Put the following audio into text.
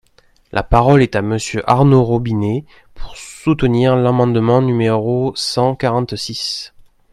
La parole est à Monsieur Arnaud Robinet, pour soutenir l’amendement numéro cent quarante-six.